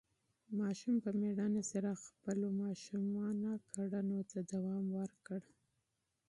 ماشوم په مېړانې سره خپلو ماشومانه کړنو ته دوام ورکړ.